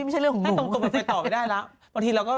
ฉันเคยฟังเขาเลยแบบว่า